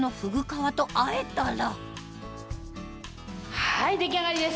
はい出来上がりです。